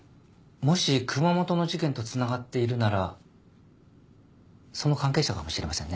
もし熊本の事件とつながっているならその関係者かもしれませんね。